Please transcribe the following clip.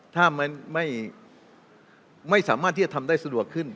ถ้าไม่สามารถที่จะทำได้สะดวกขึ้น